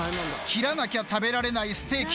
切らなきゃ食べられないステーキ。